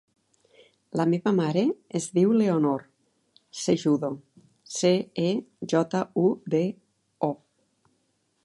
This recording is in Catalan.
La meva mare es diu Leonor Cejudo: ce, e, jota, u, de, o.